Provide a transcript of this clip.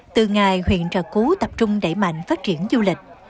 từ ngày huyện trà cú tập trung đẩy mạnh phát triển du lịch